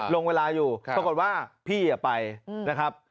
ลงเวลาอยู่ปรากฏว่าพี่ไปนะครับ